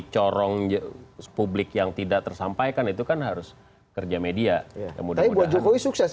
corongnya sepublik yang tidak tersampaikan itu kan harus kerja media yang mudah mudahan sukses